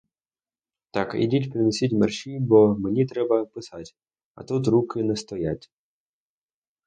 Так ідіть принесіть мерщій, бо мені треба писать, а тут руки не стоять!